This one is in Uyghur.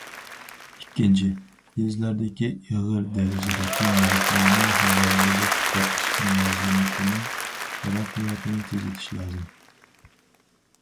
ئىككىنچى، يېزىلاردىكى ئېغىر دەرىجىدىكى مېيىپلەرنى ھاۋالىلىك بېقىش مۇلازىمىتىنىڭ تەرەققىياتىنى تېزلىتىش لازىم.